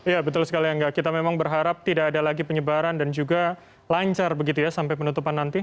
ya betul sekali angga kita memang berharap tidak ada lagi penyebaran dan juga lancar begitu ya sampai penutupan nanti